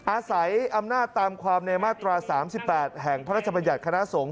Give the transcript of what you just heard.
อาศัยอำนาจตามความในมาตรา๓๘แห่งพระราชบัญญัติคณะสงฆ